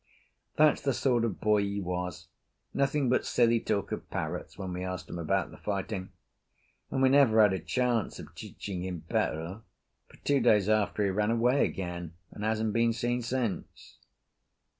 That's the sort of boy he was, nothing but silly talk of parrots when we asked him about the fighting. And we never had a chance of teaching him better, for two days after he ran away again, and hasn't been seen since.